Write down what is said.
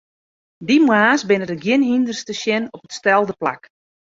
Dy moarns binne der gjin hynders te sjen op it stelde plak.